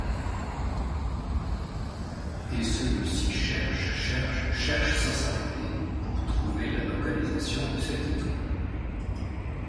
Et celui-ci cherche, cherche, cherche sans s'arrêter, pour trouver la localisation de cette étoile.